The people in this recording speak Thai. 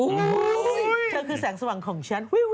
อุ้ยเธอคือแสงสว่างของฉันวิว